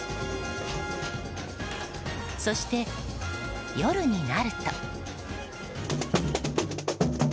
そして夜になると。